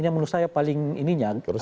ini menurut saya paling ini ya